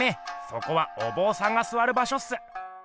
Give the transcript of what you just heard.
そこはおぼうさんがすわる場しょっす。